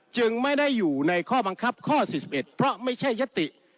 จึงไม่ได้อยู่ในข้อบังคับข้อ๔๑เพราะไม่ใช่ยติ